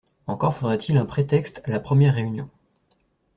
Encore faudrait-il un prétexte à la première réunion.